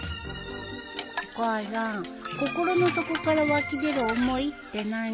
お母さん心の底から湧き出る思いって何？